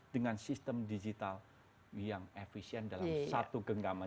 dengan sistem digital yang efisien dalam satu genggaman